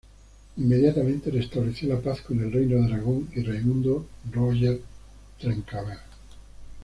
Inmediatamente restableció la paz con el Reino de Aragón y Raimundo-Roger Trencavel.